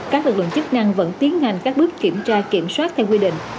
các lực lượng chức năng vẫn tiến hành các bước kiểm tra kiểm soát theo quy định